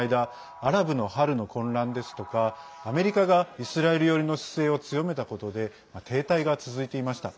アラブの春の混乱ですとかアメリカがイスラエル寄りの姿勢を強めたことで停滞が続いていました。